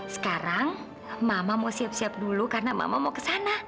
sekarang mama mau siap siap dulu karena mama mau ke sana